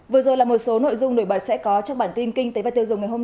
vừa rồi là một số nội dung nổi bật sẽ có trong bản tin kinh tế và tiêu dùng